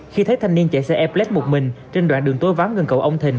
khi thấy thanh niên chạy xe e plex một mình trên đoạn đường tối vắng gần cầu ông thình